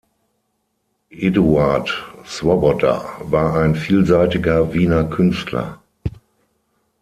Eduard Swoboda war ein vielseitiger Wiener Künstler.